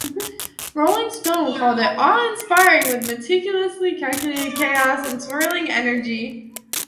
"Rolling Stone" called it "awe-inspiring" with "meticulously calculated chaos" and a "swirling energy".